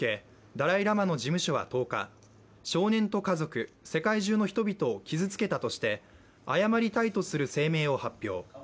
ダライ・ラマの事務所は１０日、少年と家族世界中の人々を傷つけたとして謝りたいとする声明を発表。